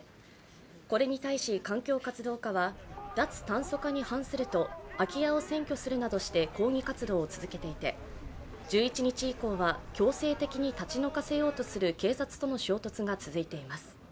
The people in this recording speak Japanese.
これに対し環境活動家は、脱炭素化に反すると空き家を占拠するなどして抗議活動を続けていて、１１日以降は強制的に立ち退かせようとする警察との衝突が続いています。